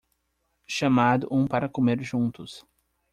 Chamado um para comer juntos